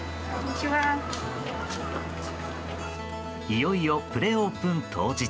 いよいよ、プレオープン当日。